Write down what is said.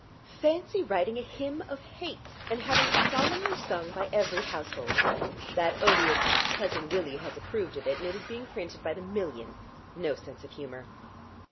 Fancy writing a Hymn of Hate, and having it solemnly sung by every household! That odious Cousin Willie has approved of it, and it is being printed by the million. No sense of humour."